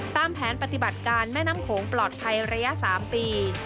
ตามแผนปฏิบัติการแม่น้ำโขงปลอดภัยระยะ๓ปี